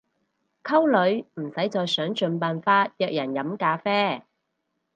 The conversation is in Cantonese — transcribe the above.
溝女唔使再想盡辦法約人飲咖啡